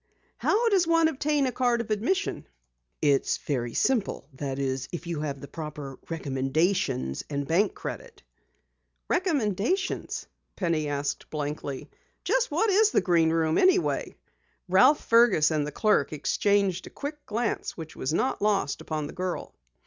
"How does one obtain a card of admission?" "It is very simple. That is, if you have the proper recommendations and bank credit." "Recommendations?" Penny asked blankly. "Just what is the Green Room anyway?" Ralph Fergus and the clerk exchanged a quick glance which was not lost upon the girl.